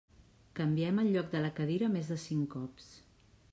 Canviem el lloc de la cadira més de cinc cops.